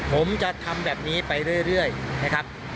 ผมจะทำแบบนี้ไปเรื่อยนะครับ